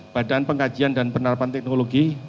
badan pengkajian dan penerapan teknologi